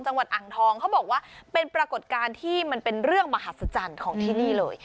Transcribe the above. จังหวัดอ่างทองเขาบอกว่าเป็นปรากฏการณ์ที่มันเป็นเรื่องมหัศจรรย์ของที่นี่เลย